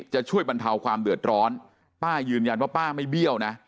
จะช่วยบรรเทาความเดือดร้อนป้ายืนยันว่าป้าไม่เบี้ยวนะ